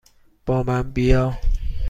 با من بیا!